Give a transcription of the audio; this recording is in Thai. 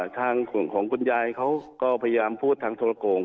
ทางส่วนของคุณยายเขาก็พยายามพูดทางโทรโกง